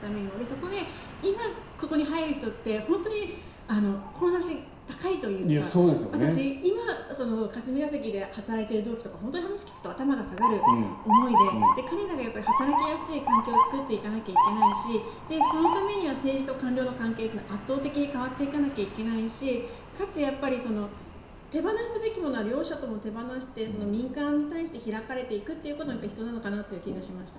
そこで今、ここに入る人って本当に志が高いというか私、今、霞が関で働いている同期とかに本当に、話を聞くと頭が下がる思いで彼らが働きやすい環境を作っていかなきゃいけないしそのためには政治と官僚の関係は圧倒的に変わっていかないといけないしかつ、手放すべきものは両者とも手放して民間に対して開かれていくということが必要かなという気がしました。